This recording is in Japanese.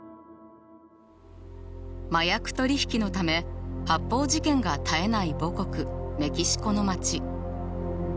麻薬取引のため発砲事件が絶えない母国メキシコの街。